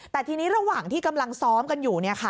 แต่ทีนี้ระหว่างที่กำลังซ้อมกันอยู่